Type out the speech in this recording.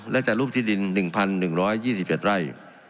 และจัดรูปที่ดิน๑๑๒๑ไร่